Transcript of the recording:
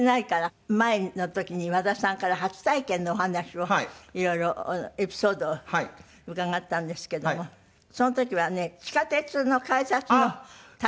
前の時に和田さんから初体験のお話をいろいろエピソードを伺ったんですけどもその時はね地下鉄の改札のタッチパネル？